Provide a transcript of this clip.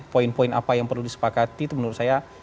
poin poin apa yang perlu disepakati itu menurut saya